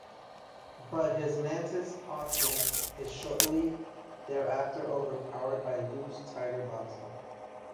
But his Mantis boxing is shortly thereafter overpowered by Lu's Tiger boxing.